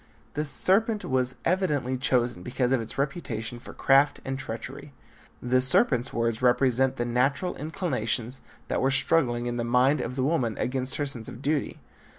The serpent was evidently chosen because of its reputation for craft and treachery. The serpent's words represent the natural inclinations that were struggling in the mind of the woman against her sense of duty.